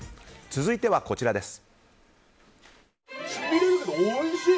続いてはこちらです。